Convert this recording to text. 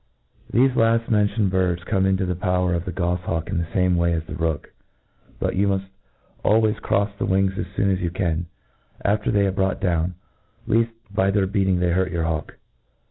Thefe laft men tioned birds come into the power of the gofhawk in the fame way as the rook ; but you muft al ways crofs their wings as foon as you can, after they are brought down, leaft by their beatmg they hurt your hawk.